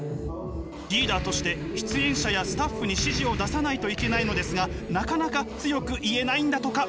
リーダーとして出演者やスタッフに指示を出さないといけないのですがなかなか強く言えないんだとか。